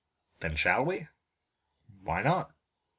"Then shall we?" "Why not?"